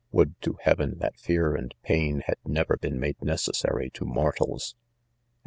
Would to heaven that fear and pain had .never been made necessary to mortals 1 ■